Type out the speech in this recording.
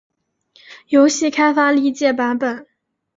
游戏开发历届版本